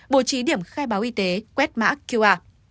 bộ trí điểm khai báo y tế quét má qr